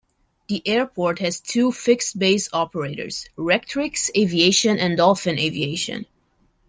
The airport has two fixed-base operators; Rectrix Aviation and Dolphin Aviation.